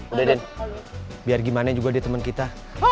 udin udin biar gimana juga deh temen kita